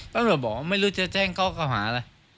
ต้องก็บอกว่าไม่รู้จะแจ้งก้อกระหว่างอะไร